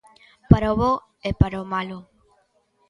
Para o bo e para o malo.